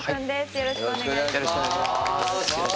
よろしくお願いします。